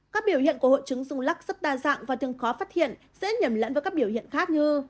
các biểu hiện của hội chứng rung lắc rất đa dạng và thường khó phát hiện dễ nhầm lẫn với các biểu hiện khác như